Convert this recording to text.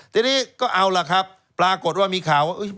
ทีนี้ก็เอาล่ะครับปรากฏว่ามีข่าวว่า